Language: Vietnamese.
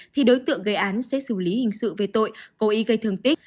thì đối tượng gây án sẽ xử lý hình sự về tội cố ý gây thương tích